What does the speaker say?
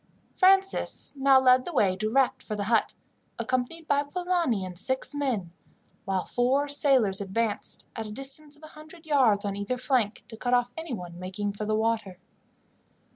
Francis now led the way direct for the hut, accompanied by Polani and six men, while four sailors advanced, at a distance of a hundred yards on either flank, to cut off anyone making for the water.